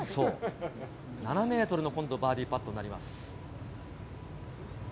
７メートルの今度バーディーパットになります。